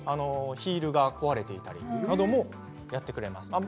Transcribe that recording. ヒールが壊れていたりなどもやってくれます。